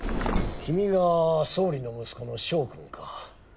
君が総理の息子の翔くんか。